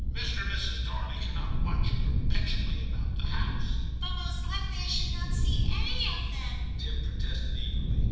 ' Mr. and Mrs. Darley cannot want you perpetually about the house.' * But most likely I should not see any of them,' Tim protested eagerly.